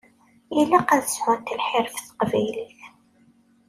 Ilaq ad sɛunt lḥir ɣef teqbaylit.